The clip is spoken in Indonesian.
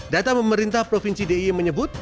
data pemerintah provinsi d i e menyebut